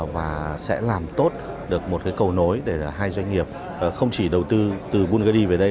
và sẽ làm tốt được một cái cầu nối để hai doanh nghiệp không chỉ đầu tư từ bungary về đây